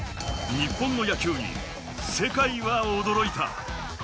日本の野球に世界は驚いた。